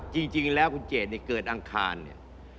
จริงแล้วคุณเจดเนี่ยเกิดอังคารเนี่ย